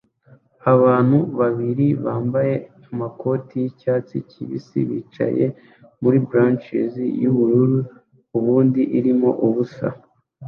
Abantu babiri bambaye amakoti yicyatsi kibisi bicaye muri blachers yubururu ubundi irimo ubusa